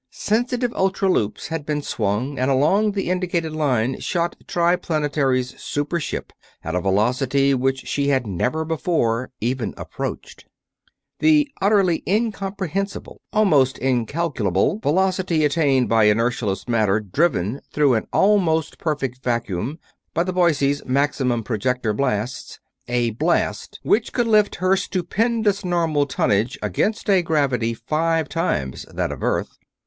Sensitive ultra loops had been swung, and along the indicated line shot Triplanetary's super ship at a velocity which she had never before even approached; the utterly incomprehensible, almost incalculable velocity attained by inertialess matter driven through an almost perfect vacuum by the Boise's maximum projector blasts a blast which would lift her stupendous normal tonnage against a gravity five times that of Earth.